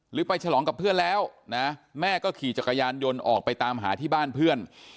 ไปฉลองกับเพื่อนแล้วนะแม่ก็ขี่จักรยานยนต์ออกไปตามหาที่บ้านเพื่อน